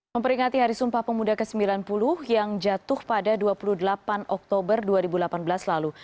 memperingati hari sumpah pemuda ke sembilan puluh yang jatuh pada dua puluh delapan oktober dua ribu delapan belas lalu